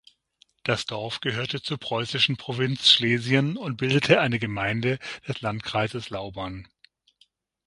Das Dorf gehörte zur preußischen Provinz Schlesien und bildete eine Gemeinde des Landkreises Lauban.